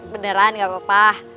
beneran gak apa apa